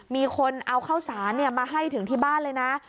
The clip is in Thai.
มีคนเอาข้าวสารมาให้ถึงที่บ้านเลยนะ